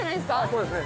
そうですね。